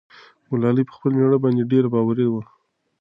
ګلالۍ په خپل مېړه باندې ډېر باوري وه.